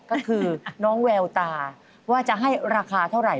ก็คือน้องแววตาว่าจะให้ราคาเท่าไหร